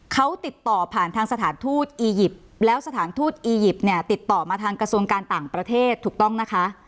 เขาติดต่อผ่านทางสถานทูตอียิปต์แล้วสถานทูตอียิปต์เนี่ยติดต่อมาทางกระทรวงการต่างประเทศถูกต้องนะคะ